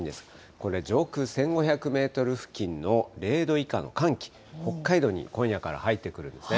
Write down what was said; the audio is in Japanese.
これ、上空１５００メートル付近の０度以下の寒気、北海道に今夜から入ってくるんですね。